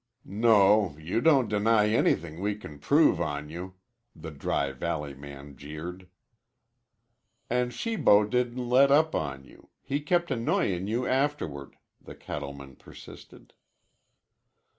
"No, you don't deny anything we can prove on you," the Dry Valley man jeered. "And Shibo didn't let up on you. He kept annoyin' you afterward," the cattleman persisted.